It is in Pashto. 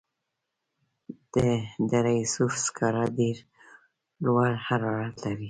د دره صوف سکاره ډیر لوړ حرارت لري.